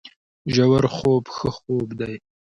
ژورخوب ښه خوب دی